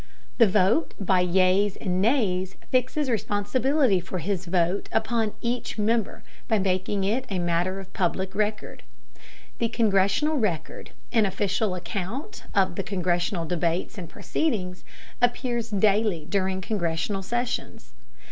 The vote by yeas and nays fixes responsibility for his vote upon each member by making it a matter of public record. The Congressional Record, an official account of Congressional debates and proceedings, appears daily during Congressional sessions.